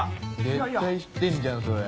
絶対知ってんじゃんそれ。